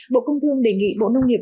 bộ công thương đề nghị bộ nông nghiệp